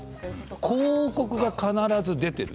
広告が必ず出ている。